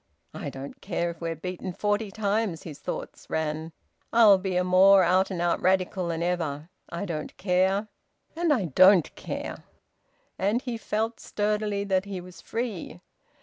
"I don't care if we're beaten forty times," his thoughts ran. "I'll be a more out and out Radical than ever! I don't care, and I don't care!" And he felt sturdily that he was free.